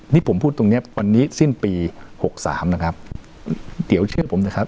นี่ผมพูดตรงเนี้ยวันนี้สิ้นปีหกสามนะครับเดี๋ยวเชื่อผมนะครับ